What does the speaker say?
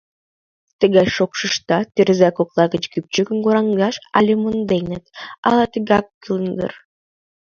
Тыгай шокшыштат тӧрза кокла гыч кӱпчыкым кораҥдаш ала монденыт, ала тыгак кӱлын дыр.